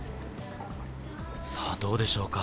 さぁどうでしょうか？